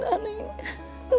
terima kasih neng makasih sekali